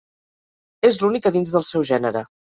És l'únic a dins del seu gènere.